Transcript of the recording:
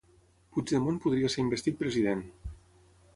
Puigdemont podria ser investit president